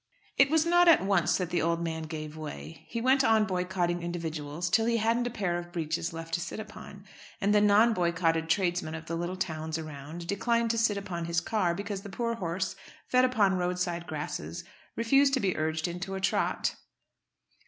It was not at once that the old man gave way. He went on boycotting individuals till he hadn't a pair of breeches left to sit upon, and the non boycotted tradesmen of the little towns around declined to sit upon his car, because the poor horse, fed upon roadside grasses, refused to be urged into a trot.